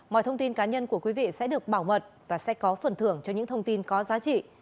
mọi thông tin cá nhân của quý vị sẽ được bảo mật và sẽ có phần thưởng cho những thông tin có giá trị